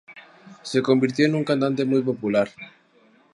Se convirtió en un cantante muy popular.